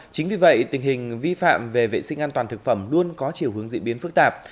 chính vì vậy tình hình vi phạm về vệ sinh an toàn thực phẩm luôn có chiều hướng diễn biến phức tạp